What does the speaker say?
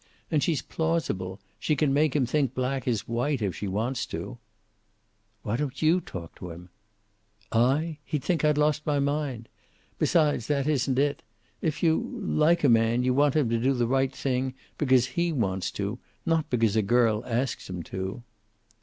And she's plausible. She can make him think black is white, if she wants to." "Why don't you talk to him?" "I? He'd think I'd lost my mind! Besides, that isn't it. If you like a man, you want him to do the right thing because he wants to, not because a girl asks him to."